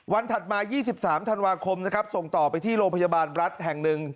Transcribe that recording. ถัดมา๒๓ธันวาคมนะครับส่งต่อไปที่โรงพยาบาลรัฐแห่งหนึ่ง